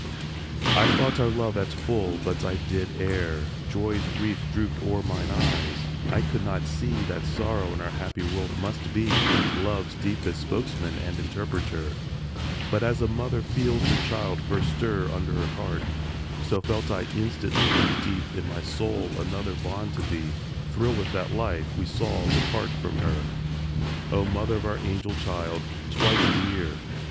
XXVII. I thought our love at full, but I did err; Joy's wreath drooped o'er mine eyes; I could not see That sorrow in our happy world must be Love's deepest spokesman and interpreter; But, as a mother feels her child first stir Under her heart, so felt I instantly Deep in my soul another bond to thee Thrill with that life we saw depart from her; O mother of our angel child! twice dear!